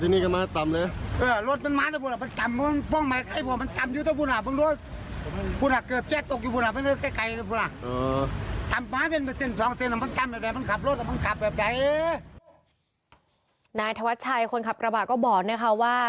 นายธวัชชัยคนขับกระบะก็บอกนะคะว่า